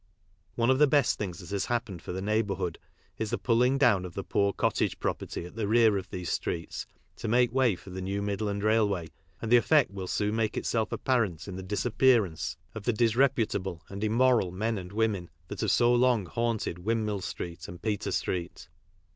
One of the best things that has happened for the neighbourhood is the pulling down of the poor cottage property at the rear of these streets, to make way for the new Midland Bailway, and the effect will soon make itself apparent in the dis appearance of the disreputable and immoral men and women that have so long haunted Windmill street and Peter street.